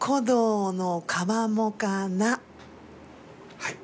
はい。